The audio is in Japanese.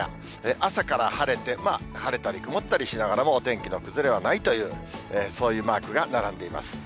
朝から晴れて、晴れたり曇ったりしながらも、お天気の崩れはないという、そういうマークが並んでいます。